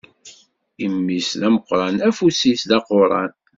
Imi-s d ameqqran, afus-is d aquran.